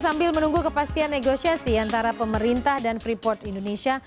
sambil menunggu kepastian negosiasi antara pemerintah dan freeport indonesia